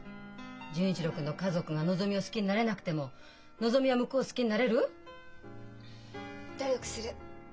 純一郎君の家族がのぞみを好きになれなくてものぞみは向こうを好きになれる？努力する。